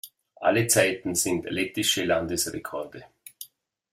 Alle Zeiten sind lettische Landesrekorde.